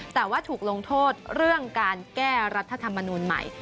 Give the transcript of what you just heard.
แต่ว่าถูกลงโทษเรื่องการแก้รัฐธรรมนูลใหม่